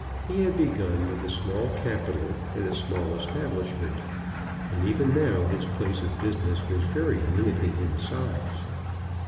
He had begun with a small capital and a small establishment, and even now his place of business was very limited in size.